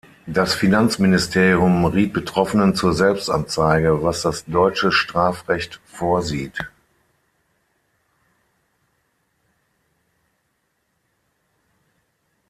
Das Finanzministerium riet Betroffenen zur Selbstanzeige, was das deutsche Strafrecht vorsieht.